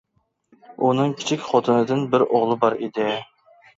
ئۇنىڭ كىچىك خوتۇنىدىن بىر ئوغلى بار ئىدى.